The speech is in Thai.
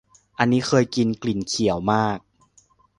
อันนี้เคยกิน กลิ่นเขียวมาก